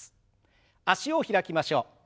脚を開きましょう。